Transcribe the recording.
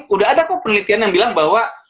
udah ada kok penelitian yang bilang bahwa